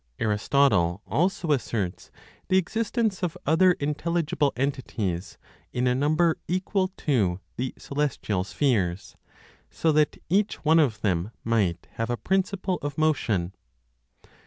Aristotle also asserts the existence of other intelligible entities in a number equal to the celestial spheres, so that each one of them might have a principle of motion.